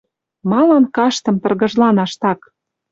Малын каштым тыргыжланаш так?..